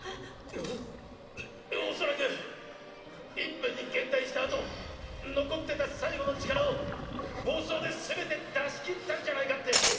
ん⁉恐らく１分に減退した後残ってた最後の力を暴走で全て出し切ったんじゃないかって。